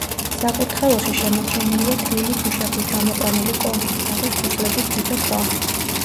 საკურთხეველში შემორჩენილია თლილი ქვიშაქვით ამოყვანილი კონქის თაღის ქუსლების თითო ქვა.